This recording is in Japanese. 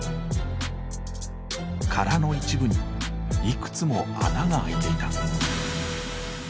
殻の一部にいくつも穴が開いていた。